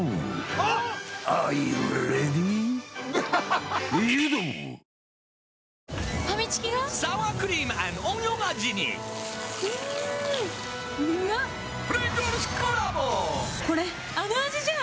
あの味じゃん！